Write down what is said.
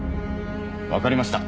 わかりました。